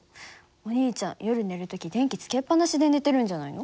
お兄ちゃん夜寝る時電気つけっ放しで寝てるんじゃないの？